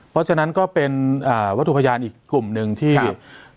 เพราะฉะนั้นก็เป็นวัตถุพยานอีกกลุ่มหนึ่งที่